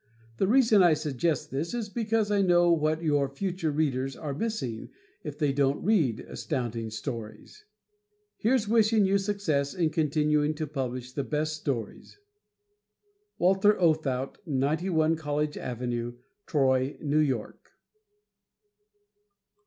The reason I suggest this is because I know what your future readers are missing if they don't read Astounding Stories. Here's wishing you success in continuing to publish the best stories. Walter Oathout, 91 College Ave., Troy, New York.